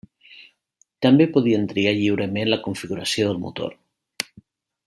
També podien triar lliurement la configuració del motor.